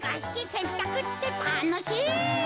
せんたくってたのしい！